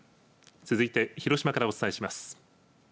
続いて広島からお伝えします。